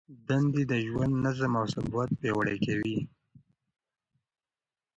دندې د ژوند نظم او ثبات پیاوړی کوي.